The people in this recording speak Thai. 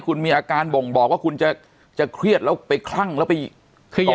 คุณมีอาการบ่งบอกว่าคุณจะเครียดแล้วไปคลั่งแล้วไปเขย่า